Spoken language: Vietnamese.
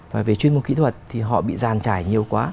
và về chuyên môn kỹ thuật thì họ bị giàn trải nhiều quá